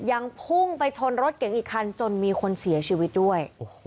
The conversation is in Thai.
ยังพุ่งไปชนรถเก๋งอีกคันจนมีคนเสียชีวิตด้วย